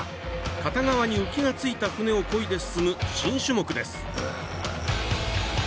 片側に浮きがついた舟をこいで進む新種目です。